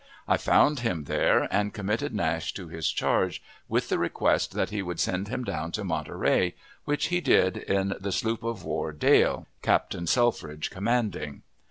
I found him there, and committed Nash to his charge, with the request that he would send him down to Monterey, which he did in the sloop of war Dale, Captain Selfridge commanding.